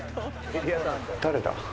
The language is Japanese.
誰だ？